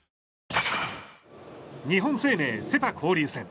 日本生命セ・パ交流戦。